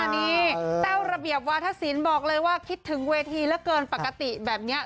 นี่แต้วระเบียบวาธศิลป์บอกเลยว่าคิดถึงเวทีเหลือเกินปกติแบบนี้